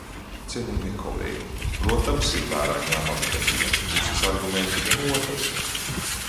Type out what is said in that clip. Cienījamie kolēģi, protams, ir vērā ņemami gan vienas puses argumenti, gan otras.